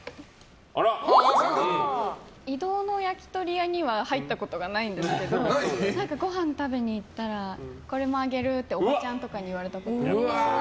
移動の焼き鳥屋に入ったことないんですけどごはん食べに行ったらこれもあげるっておばちゃんとかに言われたことは。